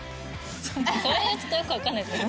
それはちょっとよくわかんないですよ。